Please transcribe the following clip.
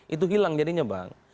itu hilang jadinya bang